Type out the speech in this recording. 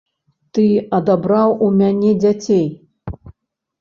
Ты адабраў у мяне дзяцей.